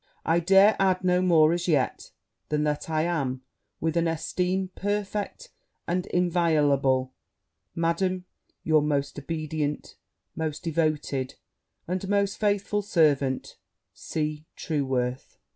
I dare add no more as yet, than that I am, with an esteem perfect and inviolable, Madam, your most obedient, most devoted, and most faithful servant, C. TRUEWORTH.'